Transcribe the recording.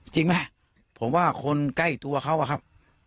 จริงไหมผมว่าคนใกล้ตัวเขาอะครับ